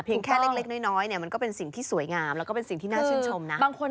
แค่เล็กน้อยเนี่ยมันก็เป็นสิ่งที่สวยงามแล้วก็เป็นสิ่งที่น่าชื่นชมนะ